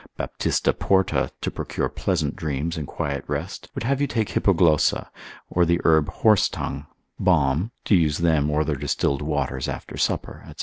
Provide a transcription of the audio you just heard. Baptista Porta Mag. nat. l. 2. c. 6. to procure pleasant dreams and quiet rest, would have you take hippoglossa, or the herb horsetongue, balm, to use them or their distilled waters after supper, &c.